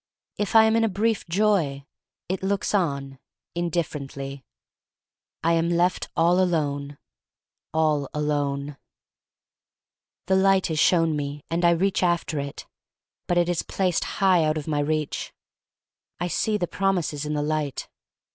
If I am in a brief joy, it looks on in differently. I am left all alone — all alone. THE STORY OF MARY MAC LANE l6l The Light is shown me and I reach after it, but it is placed high out of my reach. I see the promises in the Light.